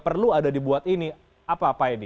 perlu ada dibuat ini apa apa ini